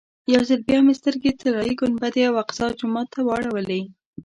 یو ځل بیا مې سترګې طلایي ګنبدې او اقصی جومات ته واړولې.